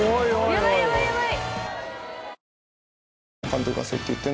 やばいやばいやばい！